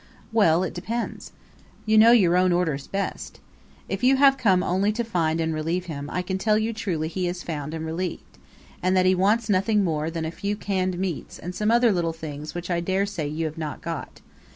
"Well, it depends. You know your own orders best. If you have come only to find and relieve him, I can tell you truly he is found and relieved, and that he wants nothing more than a few canned meats, and some other little things which I dare say you have not got.